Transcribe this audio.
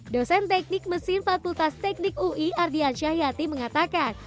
dosen teknik mesin fakultas teknik ui ardian syahyati mengatakan